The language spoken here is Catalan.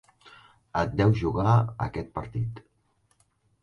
Et deus jugar aquest partit.